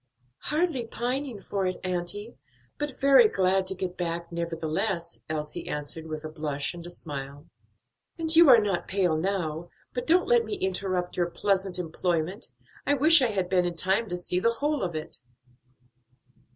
"Hardly pining for it, auntie, but very glad to get back, nevertheless," Elsie answered, with a blush and a smile. "And you are not pale now. But don't let me interrupt your pleasant employment. I wish I had been in time to see the whole of it."